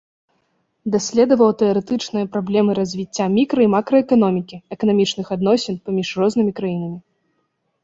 Даследаваў тэарэтычныя праблемы развіцця мікра- і макраэканомікі, эканамічных адносін паміж рознымі краінамі.